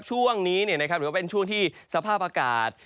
ช่วงนี้เป็นช่วงที่สภาพอากาศ